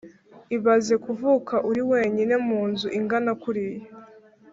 ibaze kuvuka uri wenyine munzu ingana kuriya